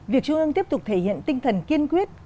việc trung ương tiếp tục thể hiện tinh thần kiên quyết